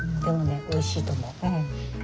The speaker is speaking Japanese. でもねおいしいと思う。